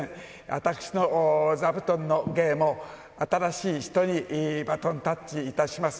私の座布団の芸も新しい人にバトンタッチいたします。